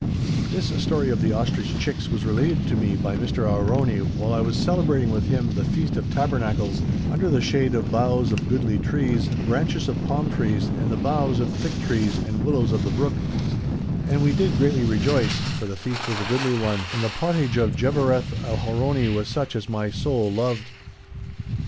This story of the ostrich chicks was related to me by Mr. Aharoni while I was celebrating with him the "Feast of Tabernacles," under the shade of "boughs of goodly trees, branches of palm trees, and the boughs of thick trees, and willows of the brook," and we did greatly rejoice, for the Feast was a goodly one, and the pottage of Gevereth Aharoni was such as my soul loved.